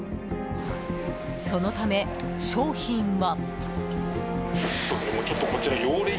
そのため、商品は。